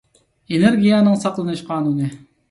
ئېنېرگىيەنىڭ ساقلىنىش قانۇنى